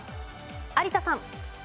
有田さん。